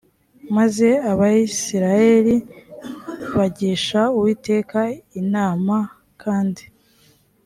maze abisirayeli bagisha uwiteka inama kandi